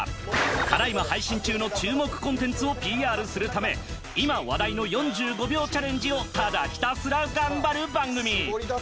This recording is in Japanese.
ただいま配信中の注目コンテンツをＰＲするため今話題の４５秒チャレンジをただひたすら頑張る番組。